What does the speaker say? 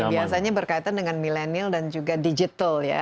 biasanya berkaitan dengan milenial dan juga digital ya